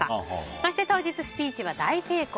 そして当日スピーチは大成功。